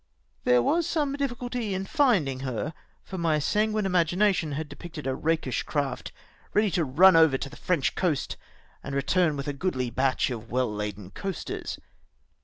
There was some difficulty in finding her, for my sanguine imagination had depicted a rakish craft, ready to run over to the French coast, and return with a goodly batch of well laden coasters.